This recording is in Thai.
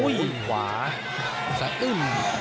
อ๋ออีกขวาสะอื้น